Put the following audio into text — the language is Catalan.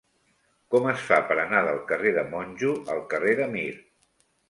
Com es fa per anar del carrer de Monjo al carrer de Mir?